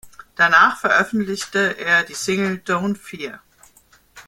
Danach veröffentlichte er die Single "Don´t Fear".